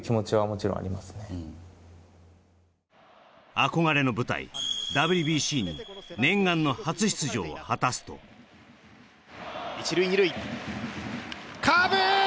憧れの舞台、ＷＢＣに念願の初出場を果たすとカーブ！